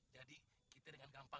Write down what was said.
jadi kita dengan gampang